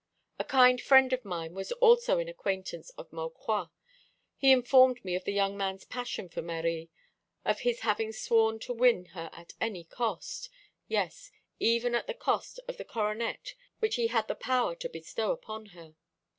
A kind friend of mine was also an acquaintance of Maucroix. He informed me of the young man's passion for Marie, of his having sworn to win her at any cost yes, even at the cost of the coronet which he had the power to bestow upon her.